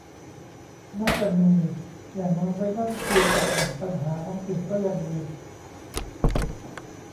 น่าจะมี อย่างน้อยไว้นั่งคุยกับบ่นปัญหาท้องถิ่นก็ยังดี